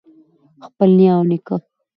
خپل نیا او نیکه